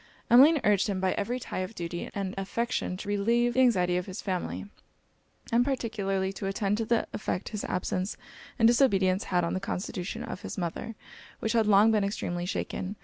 Emmeline urged him by every tie of duty and affection to relieve the anxiety of his family, and particularly to attend to the effect his absence and disobedience had on the constitution of his mother, which had long been extremely shaken.